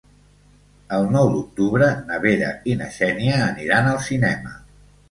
El nou d'octubre na Vera i na Xènia aniran al cinema.